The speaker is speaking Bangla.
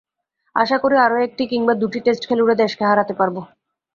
আশা করি, আরও একটি কিংবা দুটি টেস্ট খেলুড়ে দেশকে হারাতে পারব।